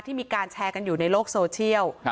มีการแชร์กันอยู่ในโลกโซเชียล